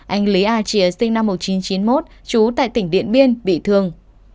anh lý a chìa sinh năm một nghìn chín trăm chín mươi một trú tại tỉnh điện biên bị thương